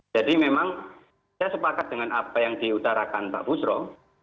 jadi memang saya sepakat dengan apa yang diutarakan pak bustro